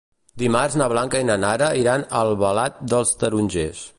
Dimarts na Blanca i na Nara iran a Albalat dels Tarongers.